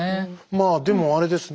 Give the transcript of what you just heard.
まあでもあれですね